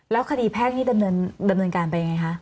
แล้วคดีแพ่งนี้ดำเนินการไปยังไงคะ